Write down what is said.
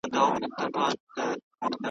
یو زلمی به د شپې ونیسي له لاسه .